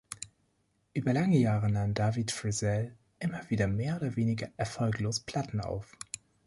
Über lange Jahre nahm David Frizzell immer wieder mehr oder weniger erfolglos Platten auf.